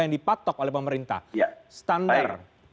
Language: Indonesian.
yang dipatok oleh pemerintah standar